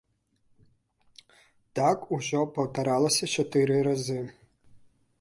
Так ужо паўтаралася чатыры разы.